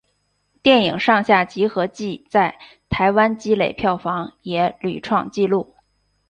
电影上下集合计在台湾累积票房也屡创纪录。